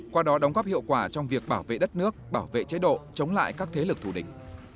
qua đó đóng góp hiệu quả trong việc bảo vệ đất nước bảo vệ chế độ chống lại các thế lực thù địch